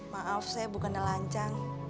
maaf saya bukan nelancang